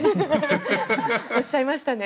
おっしゃいましたね。